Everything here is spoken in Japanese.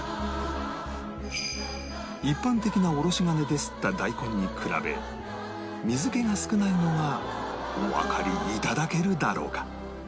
一般的なおろし金ですった大根に比べ水気が少ないのがおわかり頂けるだろうか？